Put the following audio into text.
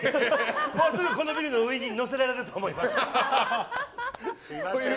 もうすぐこのビルの上に載せられると思います。